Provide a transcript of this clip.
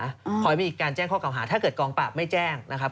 ขอให้มีการแจ้งข้อเก่าหาถ้าเกิดกองปราบไม่แจ้งนะครับ